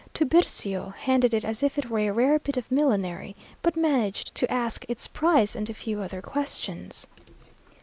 Tiburcio handled it as if it were a rare bit of millinery, but managed to ask its price and a few other questions.